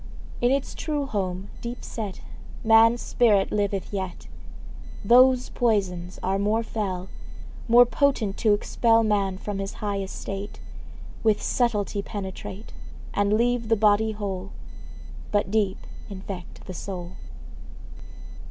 In its true home, deep set, Man's spirit liveth yet. Those poisons are more fell, More potent to expel Man from his high estate, Which subtly penetrate, And leave the body whole, But deep infect the soul.